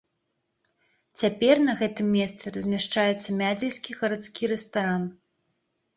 Цяпер на гэтым месцы размяшчаецца мядзельскі гарадскі рэстаран.